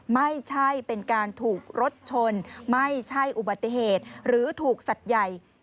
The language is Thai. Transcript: ไม่ใช่เป็นการถูกรถชนไม่ใช่อุบัติเหตุหรือถูกสัตว์ใหญ่